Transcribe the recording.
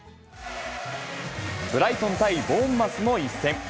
ブライトン対ボーンマスの一戦。